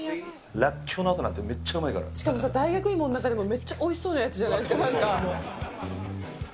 らっきょうのあとだったらめしかもさ、大学芋の中でも、めっちゃおいしそうなやつじゃないですか、なんか。